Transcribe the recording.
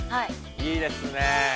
いいですね。